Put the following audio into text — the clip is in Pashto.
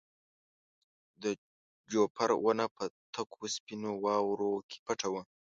د جوپر ونه په تکو سپینو واورو کې پټه وه.